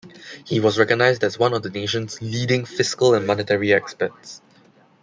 He was recognized as one of the nations leading fiscal and monetary experts.